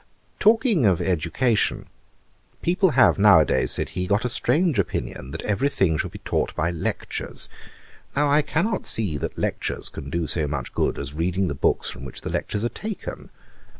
Talking of education, 'People have now a days, (said he,) got a strange opinion that every thing should be taught by lectures. Now, I cannot see that lectures can do so much good as reading the books from which the lectures are taken.